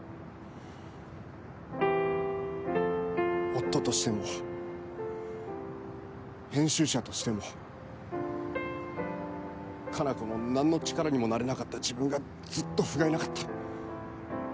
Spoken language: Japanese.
夫としても編集者としても加奈子の何の力にもなれなかった自分がずっと、ふがいなかった。